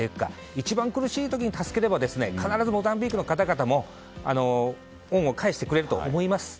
一番苦しい時に助ければ必ずモザンビークの方々も恩を返してくれると思います。